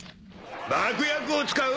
爆薬を使う？